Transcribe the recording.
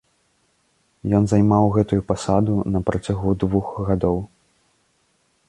Ён займаў гэтую пасаду на працягу двух гадоў.